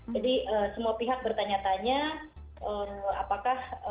jadi semua pihak bertanya tanya